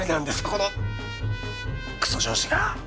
このくそ上司が！